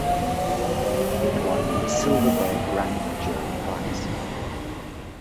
It won the Silver Bear Grand Jury Prize.